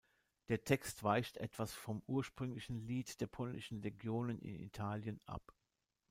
Der Text weicht etwas vom ursprünglichen „Lied der polnischen Legionen in Italien“ ab.